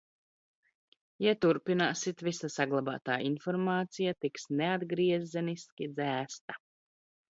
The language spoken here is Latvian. Ja turpināsit, visa saglabātā informācija tiks neatgriezeniski dzēsta.